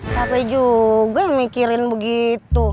siapa juga yang mikirin begitu